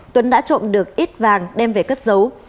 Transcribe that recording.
tuấn đã trộm được ít vàng đem về cất giấu